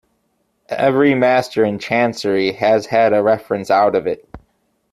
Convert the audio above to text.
Every master in Chancery has had a reference out of it.